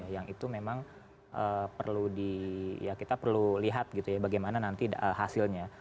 yang itu memang perlu kita lihat bagaimana nanti hasilnya